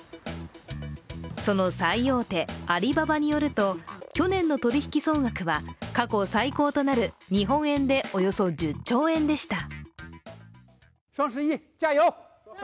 その最大手アリババによると、去年の取引総額は過去最高となる日本円でおよそ１０兆円でした。